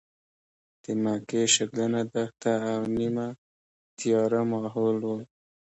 د مکې شګلنه دښته او نیمه تیاره ماحول و.